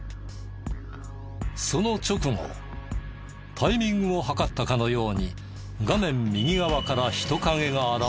その直後タイミングを計ったかのように画面右側から人影が現れた。